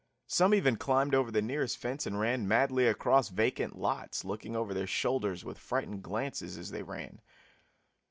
Some even climbed over the nearest fence and ran madly across vacant lots, looking over their shoulders with frightened glances as they ran.